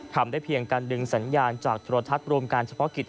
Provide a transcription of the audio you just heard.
ทำได้เพียงการดึงสัญญาณจากโทรทัศน์รวมการเฉพาะกิจ